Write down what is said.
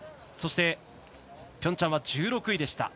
そして、ピョンチャンは１６位。